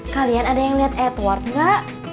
kalian ada yang liat edward nggak